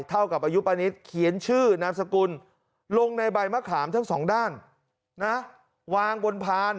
เท่ากับอายุป้านิตเขียนชื่อนามสกุลลงในใบมะขามทั้งสองด้านนะวางบนพาน